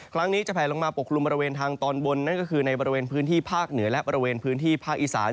ครั้งนี้จะแผลลงมาปกคลุมบริเวณทางตอนบนนั่นก็คือในบริเวณพื้นที่ภาคเหนือและบริเวณพื้นที่ภาคอีสาน